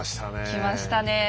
きましたねえ。